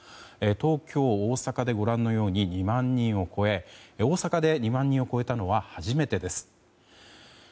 東京、大阪でご覧のように２万人を超え大阪で２万人を超えたのは初めてです。